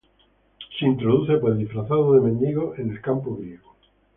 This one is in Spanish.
Se introduce pues, disfrazado de mendigo, en el campo griego.